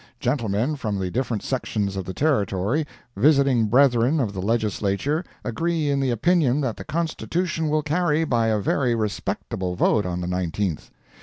Gentlemen from the different sections of the Territory—visiting brethren of the Legislature agree in the opinion that the Constitution will carry by a very respectable vote on the 19th.